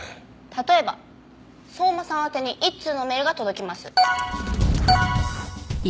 例えば相馬さん宛てに１通のメールが届きます。